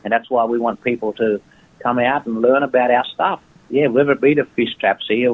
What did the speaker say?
dan juga untuk memiliki kemampuan